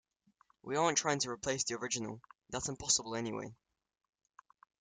We aren't trying to replace the original; that's impossible anyway.